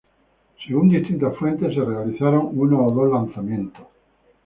Según distintas fuentes, se realizaron uno o dos lanzamientos.